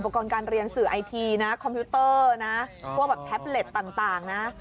การเรียนสื่อไอทีนะคอมพิวเตอร์นะพวกแบบแท็บเล็ตต่างนะ